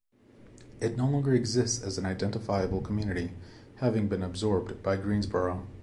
It no longer exists as an identifiable community, having been absorbed by Greensboro.